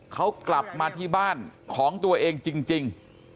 เขากลับมาที่บ้านของตัวเองจริง